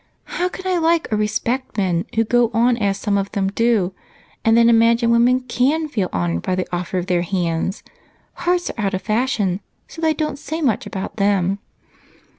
How can I like or respect men who go on as some of them do and then imagine women can feel honored by the offer of their hands? Hearts are out of fashion, so they don't say much about them."